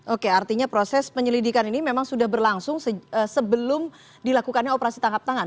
oke artinya proses penyelidikan ini memang sudah berlangsung sebelum dilakukannya operasi tangkap tangan